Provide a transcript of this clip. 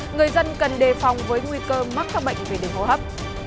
người dân cần đề phòng với nguy cơ mắc các bệnh về đường hô hấp